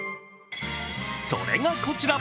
それがこちら。